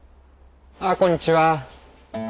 ああこんにちは。